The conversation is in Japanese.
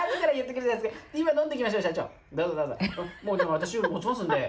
私持ちますんで。